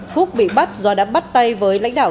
phúc bị bắt do đã bắt tay với lãnh đạo